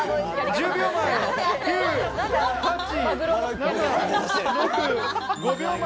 １０秒前！